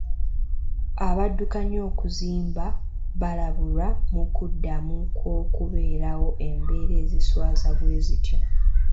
Abaddukanya okuzimba baalabulwa ku kuddamu kw'okubeerawo embeera eziswaza bwe zityo.